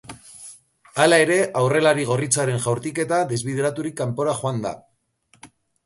Hala ere, aurrelari gorritxoaren jaurtiketa desbideraturik kanpora joan da.